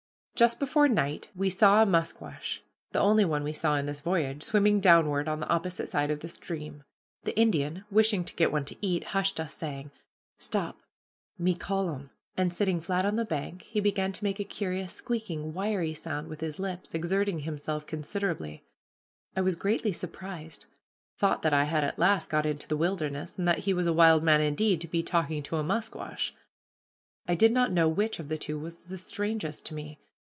Just before night we saw a musquash, the only one we saw in this voyage, swimming downward on the opposite side of the stream. The Indian, wishing to get one to eat, hushed us, saying, "Stop, me call 'em"; and, sitting flat on the bank, he began to make a curious squeaking, wiry sound with his lips, exerting himself considerably. I was greatly surprised thought that I had at last got into the wilderness, and that he was a wild man indeed, to be talking to a musquash! I did not know which of the two was the strangest to me.